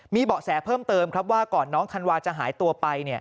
มีเบาะแสเพิ่มเติมครับว่าก่อนน้องธันวาจะหายตัวไป